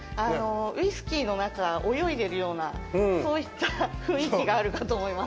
ウイスキーの中、泳いでるようなそういった雰囲気があるかと思います。